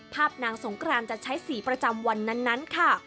นางสงครานจะใช้สีประจำวันนั้นค่ะ